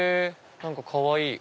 何かかわいい。